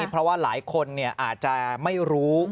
เพราะว่าหลายคนอาจจะไม่รู้